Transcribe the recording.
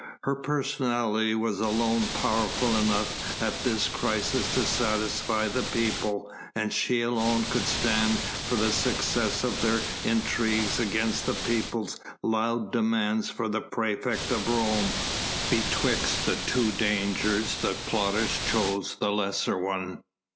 Her personality was alone powerful enough at this crisis to satisfy the people, and she alone could stand for the success of their intrigues against the people's loud demands for the praefect of Rome. Betwixt two dangers the plotters chose the lesser one.